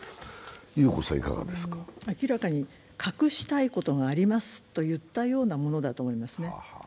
明らかに斯くしたいことがありますといったようなことだと思います。